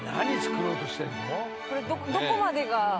これどこまでが。